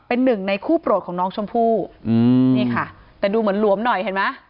เป็นหนึ่งในคู่โปรดของน้องชมพู่อืมนี่ค่ะแต่ดูเหมือนหลวมหน่อยเห็นไหม